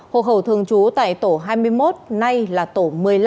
hộ khẩu thường trú tại tổ hai mươi một nay là tổ một mươi năm